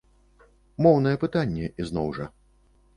Моўнае пытанне, ізноў жа.